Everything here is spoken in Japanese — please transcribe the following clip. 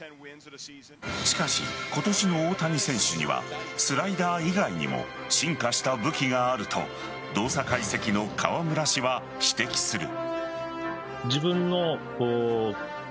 しかし今年の大谷選手にはスライダー以外にも進化した武器があると動作解析の川村氏は指摘する。